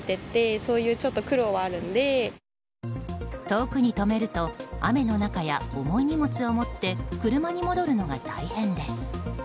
遠くに止めると雨の中や重い荷物を持って車に戻るのが大変です。